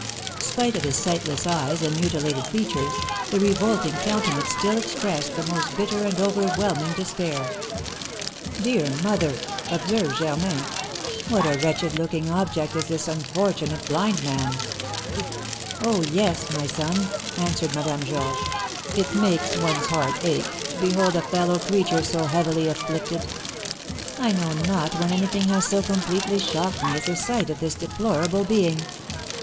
Spite of his sightless eyes and mutilated features, the revolting countenance still expressed the most bitter and overwhelming despair. "Dear mother," observed Germain, "what a wretched looking object is this unfortunate blind man!" [Illustration: "The Schoolmaster Was Sitting on a Bench" Original Etching by Porteau] "Oh, yes, my son!" answered Madame Georges; "it makes one's heart ache to behold a fellow creature so heavily afflicted. I know not when anything has so completely shocked me as the sight of this deplorable being."